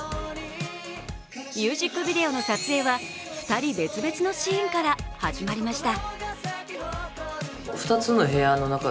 ミュージックビデオの撮影は２人別々のシーンから始まりました。